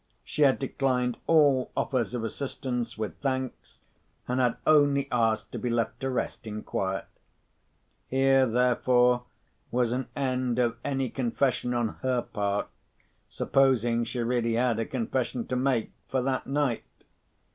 She had declined all offers of assistance with thanks, and had only asked to be left to rest in quiet. Here, therefore, was an end of any confession on her part (supposing she really had a confession to make) for that night.